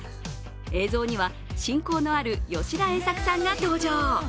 映像には親交のある吉田栄作さんが登場。